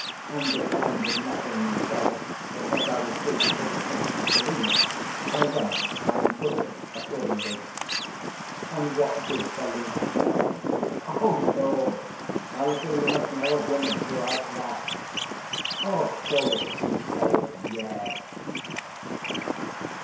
Understanding nothing myself but that I was free to put it next to Selina, I went and put it accordingly. And what did Selina say? Lord! how little you must know of women, if you ask that. Of course she said, Yes.